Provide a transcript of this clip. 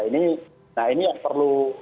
ini yang perlu